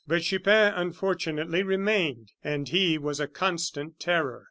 But Chupin, unfortunately, remained; and he was a constant terror.